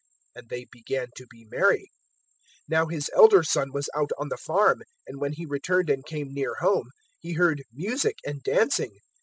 "And they began to be merry. 015:025 "Now his elder son was out on the farm; and when he returned and came near home, he heard music and dancing.